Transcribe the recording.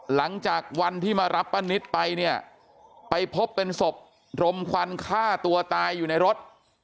หลังจากวันที่มารับป้านิตไปเนี่ยไปพบเป็นศพรมควันฆ่าตัวตายอยู่ในรถ